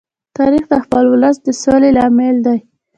تاریخ د خپل ولس د سولې لامل دی.